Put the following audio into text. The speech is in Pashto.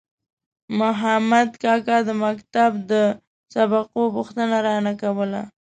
مخامد کاکا د مکتب د سبقو پوښتنه رانه کوله.